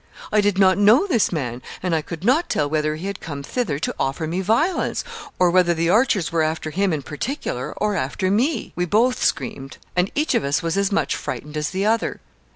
I did not know this man, and I could not tell whether he had come thither to offer me violence, or whether the archers were after him in particular, or after me. We both screamed, and each of us was as much frightened as the other.